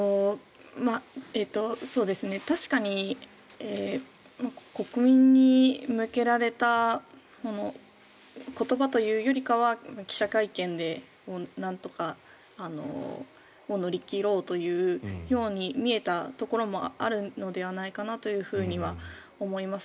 確かに国民に向けられた言葉というよりかは記者会見でなんとか乗り切ろうというように見えたところもあるのではないかなとは思います。